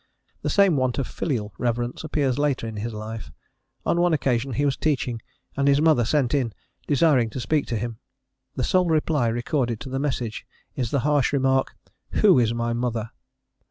The same want of filial reverence appears later in his life: on one occasion he was teaching, and his mother sent in, desiring to speak to him: the sole reply recorded to the message is the harsh remark: "Who is my mother?"